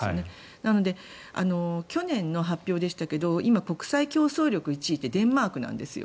なので、去年の発表でしたが今、国際競争力１位ってデンマークなんですよ。